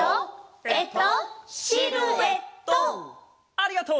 ありがとう！